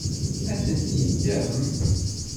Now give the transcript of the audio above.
Ad tent-yeddem?